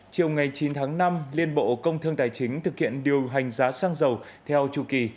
chiều ngày chín tháng năm liên bộ công thương tài chính thực hiện điều hành giá xăng dầu theo chủ kỳ